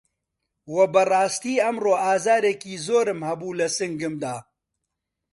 وە بەڕاستی ئەمڕۆ ئازارێکی زۆرم هەبوو لە سنگمدا